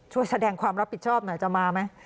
ช่วยแสดงความรับผิดชอบหน่อยจะมาไหม